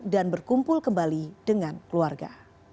dan berkumpul kembali dengan keluarga